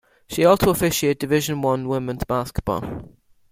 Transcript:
She also officiates Division One Women's Basketball.